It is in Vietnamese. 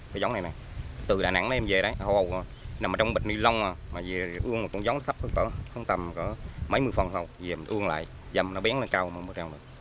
cây giống này này từ đà nẵng mà em về đấy nằm trong bịch nilon mà về uông một con giống nó khắp có tầm mấy mươi phần hầu về mình uông lại dầm nó bén lên cao một mươi trăm